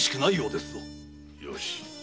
よし！